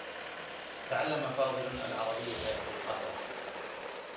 تعلّم فاضل العربيّة في القاهرة.